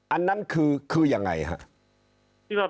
อันนั้นคือยังไงครับ